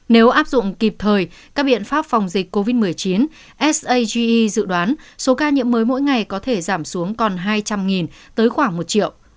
nếu áp dụng kịp thời các biện pháp phòng dịch covid một mươi chín sage dự đoán số ca nhiễm mới mỗi ngày có thể giảm xuống còn hai trăm linh tới khoảng một triệu